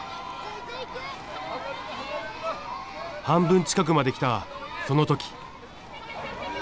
半分近くまで来たその時。